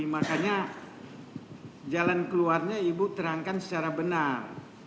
makanya jalan keluarnya ibu terangkan secara benar